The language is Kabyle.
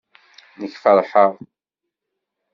Nekk feṛheɣ.